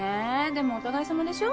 でもお互いさまでしょ？